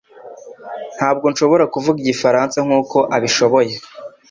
Ntabwo nshobora kuvuga igifaransa nkuko abishoboye